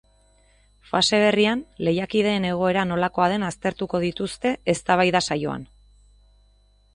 Fase berrian lehiakideen egoera nolakoa den aztertuko dituzte eztabaida-saioan.